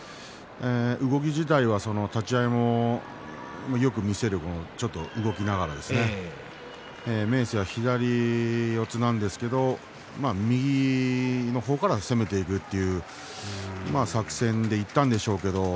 動き自体は立ち合いもよく見せる動きだったんですが明生は左四つなんですが右の方から攻めていくという作戦でいったんでしょうけれども。